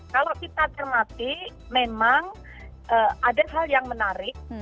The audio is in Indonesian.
kalau kita cermati memang ada hal yang menarik